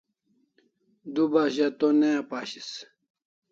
Du bas za to ne apashis